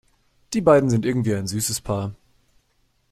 Die beiden sind irgendwie ein süßes Paar.